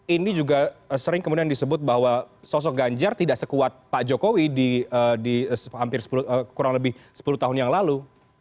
ini juga sering kemudian disebut bahwa sosok ganjar tidak sekuat pak jokowi di kurang lebih sepuluh tahun yang lalu